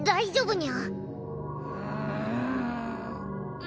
ニャ。